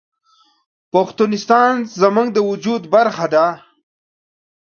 پښتونستان زموږ د وجود برخه ده